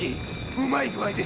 うまい具合ですぜ。